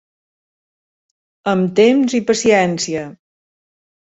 Amb temps i paciència.